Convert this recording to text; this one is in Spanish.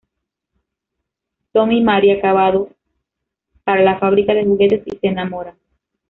Tom y Mary acabado para la fábrica de juguetes y se enamoran.